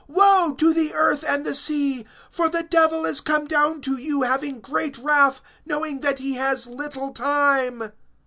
Woe to the earth and the sea! For the Devil is come down to you, having great wrath, knowing that he has little time.